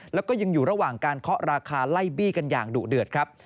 แล้วก็ยังอยู่ระหว่างการเคาะราคาไล่บี้กันอย่างดุเดือดครับ